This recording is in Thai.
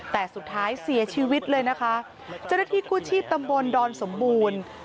แต่สุดท้ายเสียชีวิตเลยนะคะเจ้าหน้าที่กู้ชีพตำบลดอนสมบูรณ์